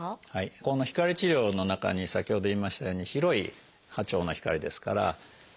この光治療の中に先ほど言いましたように広い波長の光ですからメラニンに対応するもの